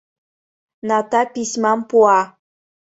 Ната письмам пуа.